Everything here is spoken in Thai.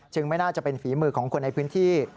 ไม่น่าจะเป็นฝีมือของคนในพื้นที่